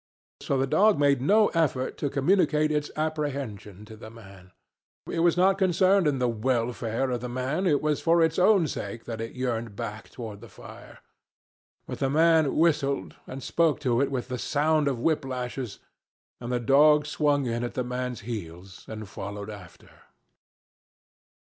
So the dog made no effort to communicate its apprehension to the man. It was not concerned in the welfare of the man; it was for its own sake that it yearned back toward the fire. But the man whistled, and spoke to it with the sound of whip lashes, and the dog swung in at the man's heels and followed after.